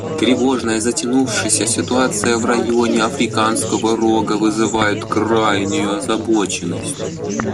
Тревожная затянувшаяся ситуация в районе Африканского Рога вызывает крайнюю озабоченность.